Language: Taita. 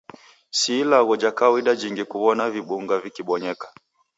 Si ilagho ja kawaida jingi kuw'ona vimbunga vikibonyeka.